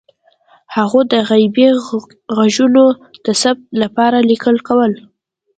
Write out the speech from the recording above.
هغوی د غیبي غږونو د ثبت لپاره لیکل کول.